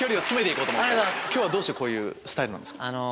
今日はどうしてこういうスタイルなんですか？